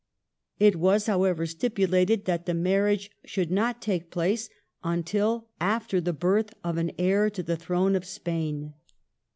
It was, however, stipulated that the marriage should not take place until after the birth of an heir to the throne of Spain.